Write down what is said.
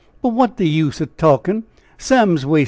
But what's de use o' talkin' Sam's waystin'!"